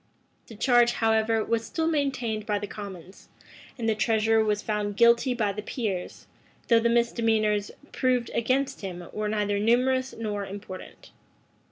[] The charge, however, was still maintained by the commons; and the treasurer was found guilty by the peers, though the misdemeanors proved against him were neither numerous nor important.